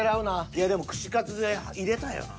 いやでも串カツで入れたいよな。